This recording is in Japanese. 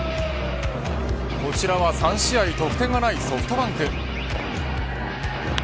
こちらは３試合得点がないソフトバンク。